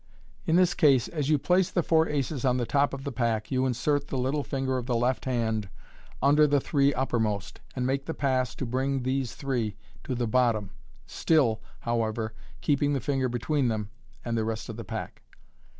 In this case, as you place the four aces on the top of the pack, you insert the little finger of the left hand under the three uppermost, and make the pass to bring these three to the bottom, still, however, keeping the finger between them and the rest of the pack.